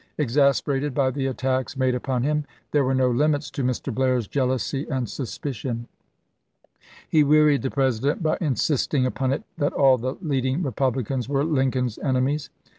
Exasperated by the attacks made upon him, there were no limits to Mr. Blair's jealousy and suspicion. He wearied the President by insisting upon it that all the leading Eepublicans were Lincoln's enemies.